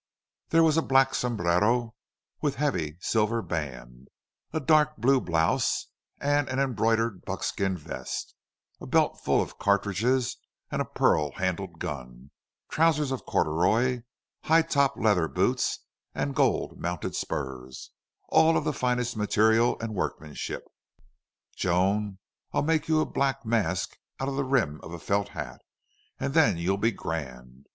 There was a black sombrero with heavy silver band; a dark blue blouse and an embroidered buckskin vest; a belt full of cartridges and a pearl handled gun; trousers of corduroy; high top leather boots and gold mounted spurs, all of the finest material and workmanship. "Joan, I'll make you a black mask out of the rim of a felt hat, and then you'll be grand."